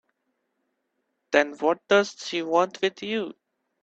Then what does she want with you?